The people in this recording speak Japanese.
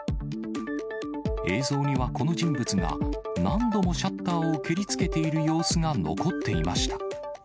映像にはこの人物が、何度もシャッターを蹴りつけている様子が残っていました。